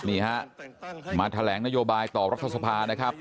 นี่ฮะมาแถลงนโยบายต่อรัฐสภานะครับ